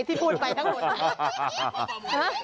ที่พูดไปทั้งหมด